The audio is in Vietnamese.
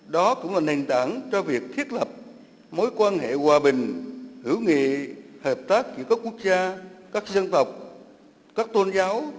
đó cũng là nền tảng cho việc thiết lập mối quan hệ hòa bình hữu nghị hợp tác giữa các quốc gia các dân tộc các tôn giáo